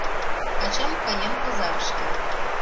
Ачам каен пазарышке